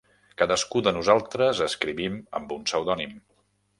Cadascú de nosaltres escrivim amb un pseudònim.